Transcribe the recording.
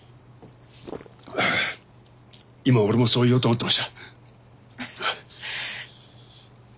ああ今俺もそう言おうと思ってました。